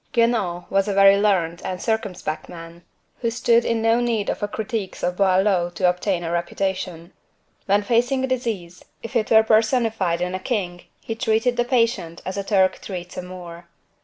Guenaud was a very learned and circumspect man, who stood in no need of the critiques of Boileau to obtain a reputation. When facing a disease, if it were personified in a king, he treated the patient as a Turk treats a Moor.